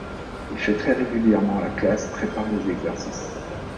Il fait très régulièrement la classe, prépare des exercices.